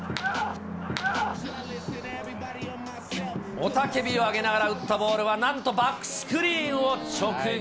雄たけびを上げながら打ったボールはなんとバックスクリーンを直撃。